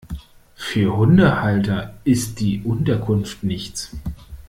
Für Hundehalter ist die Unterkunft nichts.